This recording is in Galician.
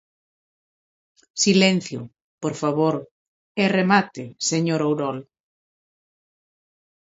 Silencio, por favor, e remate, señor Ourol.